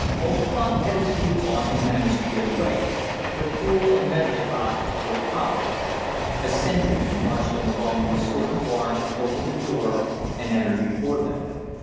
Oliphant had his boots on and managed to get away, but Poole and Medlicott were collared. A sentry marched them along to a sort of barn, opened the door, and entered before them.